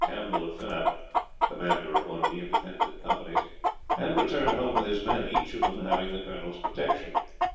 Campbell of Finab, Commander of one of the Independent Companies, and returned home with his men, each of them having the Coll.'s protection.